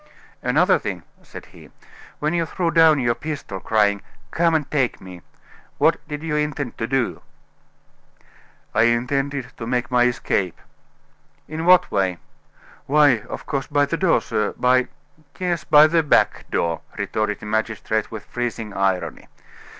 "Another thing," said he. "When you threw down your pistol, crying, 'Come and take me,' what did you intend to do?" "I intended to make my escape." "In what way?" "Why, of course, by the door, sir by " "Yes, by the back door," retorted the magistrate, with freezing irony.